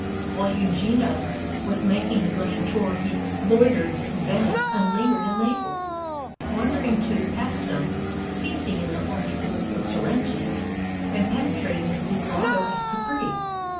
While Eugenio was making the grand tour he loitered in Venice and lingered in Naples, wandering to Paestum, feasting in the orange groves of Sorrento, and penetrating the Blue Grotto at Capri.